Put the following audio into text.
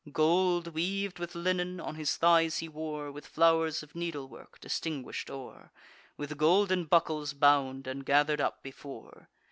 Gold, weav'd with linen, on his thighs he wore, With flowers of needlework distinguish'd o'er, With golden buckles bound, and gather'd up before.